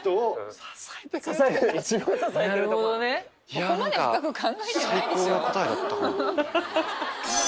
［ここまで深く考えてないでしょ？］